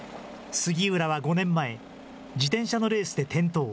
杉浦は５年前、自転車のレースで転倒。